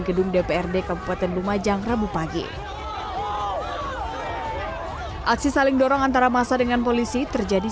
gedung dprd kabupaten lumajang rabu pagi aksi saling dorong antara masa dengan polisi terjadi